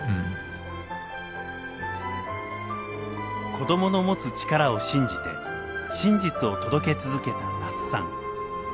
子どもの持つ力を信じて真実を届け続けた那須さん。